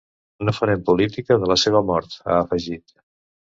No farem política de la seva mort, ha afegit.